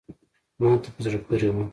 ما ته په زړه پوري وه …